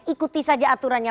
ikuti saja aturannya